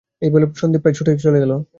এই বলে সন্দীপ প্রায় ছুটে চলে গেল।